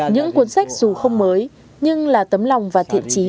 những cuốn sách dù không mới nhưng là tấm lòng và thiện trí